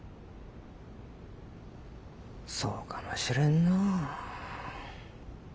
そうかもしれんのう。